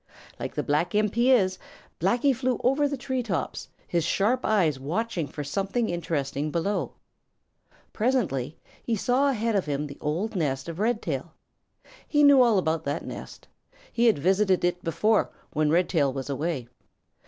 Like the black imp he is, Blacky flew over the tree tops, his sharp eyes watching for something interesting below. Presently he saw ahead of him the old nest of Red tail. He knew all about that nest. He had visited it before when Red tail was away.